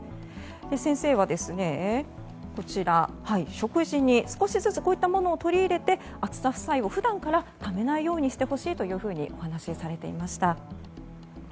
先生は、食事に少しずつこういったものを取り入れて暑さ負債を普段からためないようにしてほしいとお話しされていました。